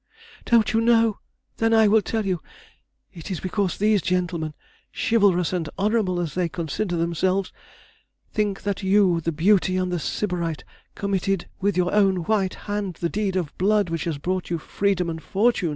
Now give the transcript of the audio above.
"Don't you know? then I will tell you. It is because these gentlemen, chivalrous and honorable as they consider themselves, think that you, the beauty and the Sybarite, committed with your own white hand the deed of blood which has brought you freedom and fortune.